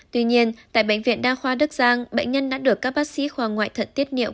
tuy nhiên tại bệnh viện đa khoa đức giang bệnh nhân đã được các bác sĩ khoa ngoại thận tiết nghiệm